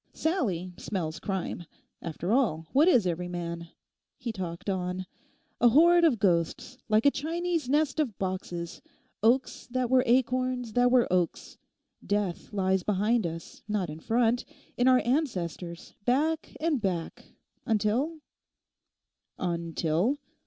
Sallie smells crime. After all, what is every man?' he talked on; 'a horde of ghosts—like a Chinese nest of boxes—oaks that were acorns that were oaks. Death lies behind us, not in front—in our ancestors, back and back, until—' '"Until?"